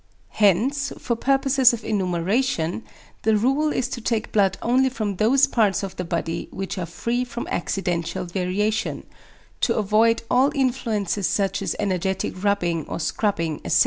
Hence, for purposes of enumeration, the rule is to take blood only from those parts of the body which are free from accidental variation; to avoid all influences such as energetic rubbing or scrubbing, etc.